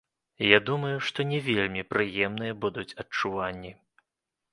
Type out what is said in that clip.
Я думаю, што не вельмі прыемныя будуць адчуванні.